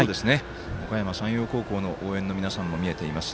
おかやま山陽高校の応援の皆さん見えています。